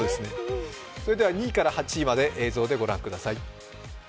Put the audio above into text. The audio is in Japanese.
２位から８位まで映像でご覧ください。